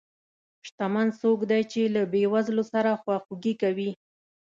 شتمن څوک دی چې له بې وزلو سره خواخوږي کوي.